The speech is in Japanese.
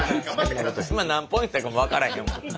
今何ポイントかも分からへんもん。